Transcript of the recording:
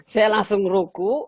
saya langsung meruku